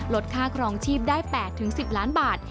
ลดค่ากรองชีพได้๘ถึง๑๐ล้านบาท